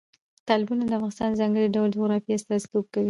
تالابونه د افغانستان د ځانګړي ډول جغرافیه استازیتوب کوي.